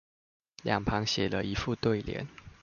兩旁寫了一副對聯